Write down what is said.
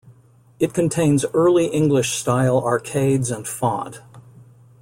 It contains Early English style arcades and font.